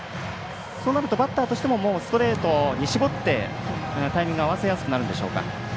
そうなるとバッターとしてももうストレートに絞ってタイミング合わせやすくなるんでしょうか。